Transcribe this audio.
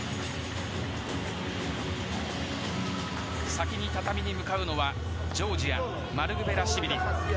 先に畳に向かうのはジョージアのマルクベラシュビリ。